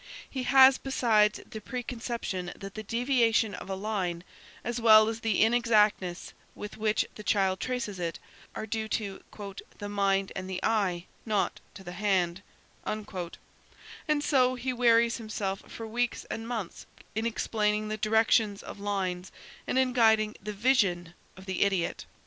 He has, besides, the preconception that the deviation of a line, as well as the inexactness with which the child traces it, are due to "the mind and the eye, not to the hand," and so he wearies himself for weeks and months in explaining the direction of lines and in guiding the vision of the idiot.